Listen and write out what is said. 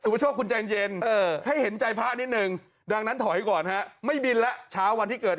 พำรวจมาดูแตะยังแตะยังเย็นไหมพระช่อง